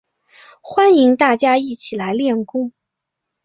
欢迎大家一起来练功